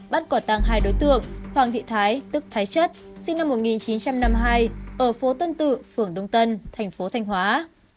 bắt quả tăng hai đối tượng hoàng thị thái sinh năm một nghìn chín trăm năm mươi hai ở phố tân tự phường đông tân thành phố thành hóa